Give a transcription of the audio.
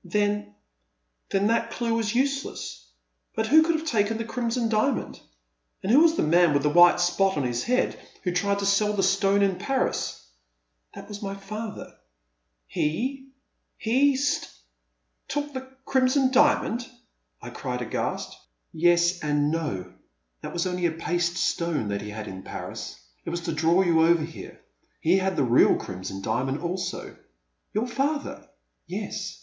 " Then — then that clue was useless ; but who could have taken the Crimson Diamond ? And who was the man with the white spot on his head who tried to sell the stone in Paris? " That was my father.*' " He — he— st — took the Crimson Diamond ?!'* I cried aghast. The Man at the Next Table. 399 Yes and no. That was only a paste stone that he had in Paris. It was to draw you over here. He had the real Crimson Diamond also.'* Your father?'' Yes.